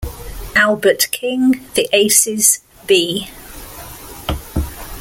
Albert King, The Aces, B.